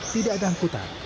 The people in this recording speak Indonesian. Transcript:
tidak ada angkutan